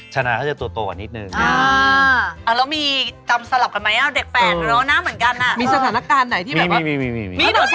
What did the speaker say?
ชานะเป็นคนพี่